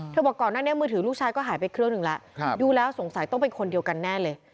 บอกก่อนหน้านี้มือถือลูกชายก็หายไปเครื่องหนึ่งแล้วดูแล้วสงสัยต้องเป็นคนเดียวกันแน่เลย